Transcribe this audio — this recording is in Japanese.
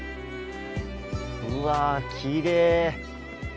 うわきれい。